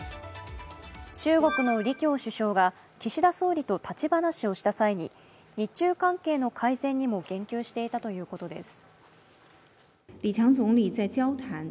中国の李強首相が岸田総理と立ち話をした際に、日中関係の改善にも言及していたということです。